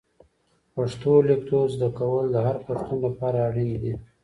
پښتو لیکدود زده کول د هر پښتون لپاره اړین دي.